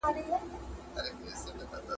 ده پر خلکو باندي ږغ کړل چي ملګرو ,